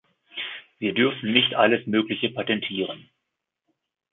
Wir dürfen nicht alles Mögliche patentieren!